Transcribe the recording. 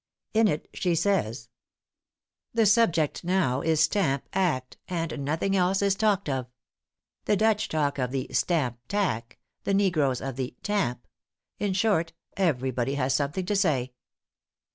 In it she says, "The subject now is Stamp Act, and nothing else is talked of. The Dutch talk of the 'Stamp tack,' the negroes of the 'tamp' in short, every body has something to say."